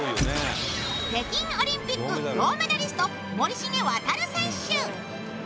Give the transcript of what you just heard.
北京オリンピック銅メダリスト森重航選手